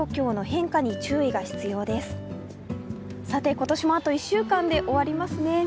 今年もあと１週間で終わりますね